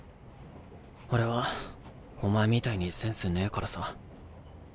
俺はお前みたいにセンスねぇからさ。